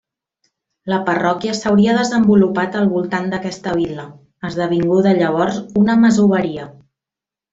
La parròquia s'hauria desenvolupat al voltant d'aquesta vil·la, esdevinguda llavors una masoveria.